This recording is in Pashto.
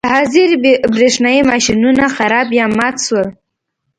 د حاضرۍ برېښنايي ماشینونه خراب یا مات شول.